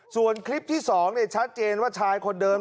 ส่วนคลิปที่๒ชัดเจนว่าชายคนเดิม